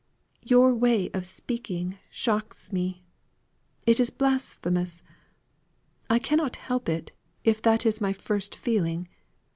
"Your way of speaking shocks me. It is blasphemous. I cannot help it, if that is my first feeling.